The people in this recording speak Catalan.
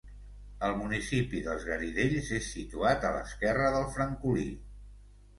El municipi dels Garidells és situat a l'esquerra del Francolí.